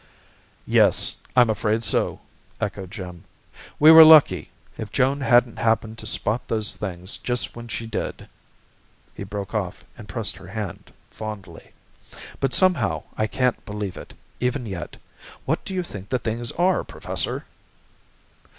"Yes, I'm afraid so," echoed Jim. "We were lucky. If Joan hadn't happened to spot those things just when she did " He broke off and pressed her hand fondly. "But somehow I can't believe it, even yet. What do you think the things are, Professor?"